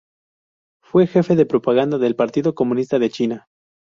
Fue jefe de propaganda del Partido Comunista de China.